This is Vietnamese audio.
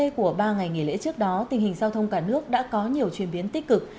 của ba ngày nghỉ lễ trước đó tình hình giao thông cả nước đã có nhiều chuyển biến tích cực